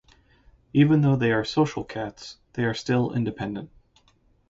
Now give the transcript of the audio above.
Even though they are social cats, they are still independent.